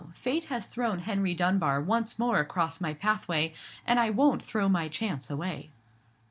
Fate has thrown Henry Dunbar once more across my pathway: and I won't throw my chance away."